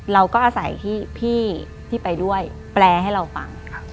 เราก็อาศัยพี่ที่ไปด้วยแปลให้เราฟัง